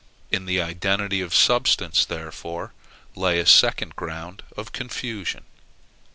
In the identity of substance, therefore, lay a second ground of confusion.